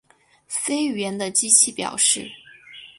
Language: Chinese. C 语言的机器表示